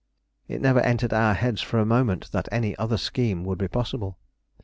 It never entered our heads for a moment that any other scheme would be possible.